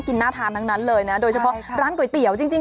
น่าทานทั้งนั้นเลยนะโดยเฉพาะร้านก๋วยเตี๋ยวจริง